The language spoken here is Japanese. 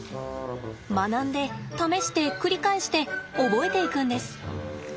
学んで試して繰り返して覚えていくんです。